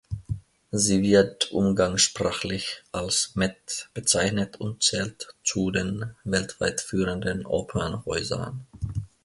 Sie wird umgangssprachlich als „Met“ bezeichnet und zählt zu den weltweit führenden Opernhäusern.